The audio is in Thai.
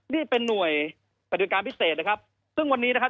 นี่เป็นหน่วยปฏิบัติการพิเศษนะครับซึ่งวันนี้นะครับ